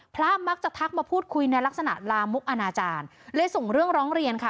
พระมักจะทักมาพูดคุยในลักษณะลามกอนาจารย์เลยส่งเรื่องร้องเรียนค่ะ